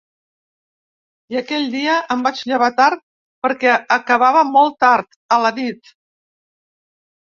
I aquell dia em vaig llevar tard perquè acabava molt tard, a la nit.